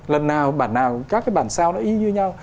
lần nào bản nào các cái bản sao nó y như nhau